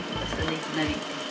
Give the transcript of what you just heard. いきなり。